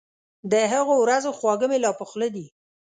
د هغو ورځو خواږه مي لا په خوله دي